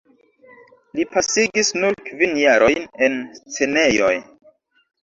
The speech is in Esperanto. Li pasigis nur kvin jarojn en scenejoj.